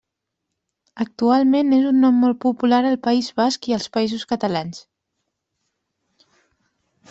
Actualment és un nom molt popular al País Basc i als Països Catalans.